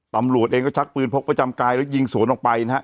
ตำรวจเองก็ชักปืนพกประจำกายแล้วยิงสวนออกไปนะฮะ